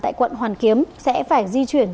tại quận hoàn kiếm sẽ phải di chuyển